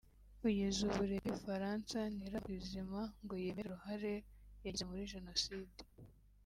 Kugeza ubu leta y’u Bufaransa ntirava ku izima ngo yemere uruhare yagize muri Jenoside